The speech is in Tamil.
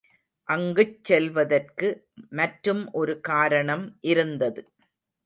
அங்குச் செல்வதற்கு மற்றும் ஒரு காரணம் இருந்தது.